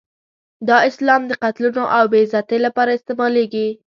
دا اسلام د قتلونو او بې عزتۍ لپاره استعمالېږي.